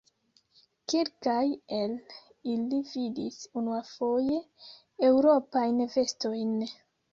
Kelkaj el ili vidis unuafoje Eŭropajn vestojn.